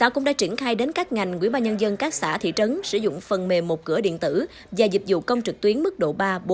công đã triển khai đến các ngành quỹ ba nhân dân các xã thị trấn sử dụng phần mềm một cửa điện tử và dịch vụ công trực tuyến mức độ ba bốn